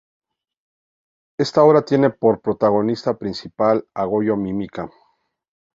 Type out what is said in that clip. Esta obra tiene por protagonista principal a Goyo Mimica.